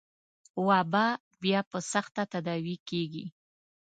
وبا بيا په سخته تداوي کېږي.